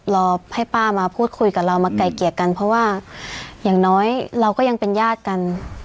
รอให้ป้ามาพูดคุยกับเรามาไกลเกลียดกันเพราะว่าอย่างน้อยเราก็ยังเป็นญาติกัน